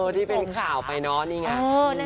ที่เป็นข่าวไปเนาะนี่ไง